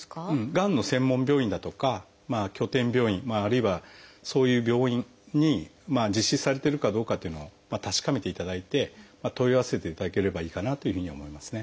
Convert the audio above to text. がんの専門病院だとか拠点病院あるいはそういう病院に実施されてるかどうかというのを確かめていただいて問い合わせていただければいいかなというふうに思いますね。